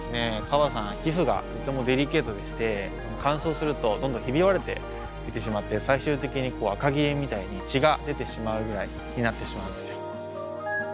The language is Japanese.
カバさん皮膚がとてもデリケートでして乾燥するとどんどんひび割れてきてしまって最終的にあかぎれみたいに血が出てしまうぐらいになってしまうんですよ。